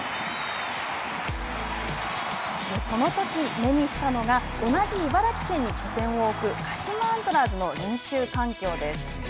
そのとき、目にしたのが同じ茨城県に拠点を置く鹿島アントラーズの練習環境です。